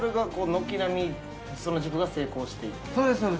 軒並みその塾が成功していって。